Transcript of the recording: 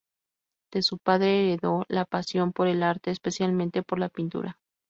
De su padre heredó la pasión por el arte, especialmente por la pintura.